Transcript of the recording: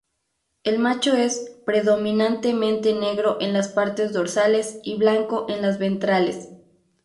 El macho es predominantemente negro en las partes dorsales y blanco en las ventrales.